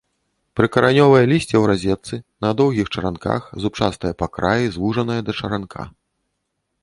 Прыкаранёвае лісце ў разетцы, на доўгіх чаранках, зубчастае па краі, звужанае да чаранка.